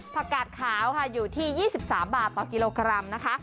กาดขาวค่ะอยู่ที่๒๓บาทต่อกิโลกรัมนะคะ